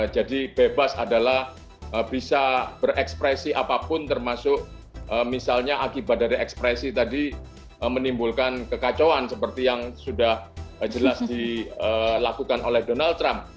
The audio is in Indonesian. jadi bebas adalah bisa berekspresi apapun termasuk misalnya akibat dari ekspresi tadi menimbulkan kekacauan seperti yang sudah jelas dilakukan oleh donald trump